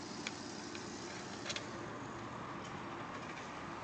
Už po nějakou dobu jsme navrhovali vytvoření černomořské unie.